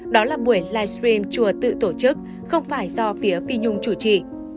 đó là buổi livestream chùa tự tổ chức không phải do phía phi nhung chủ trì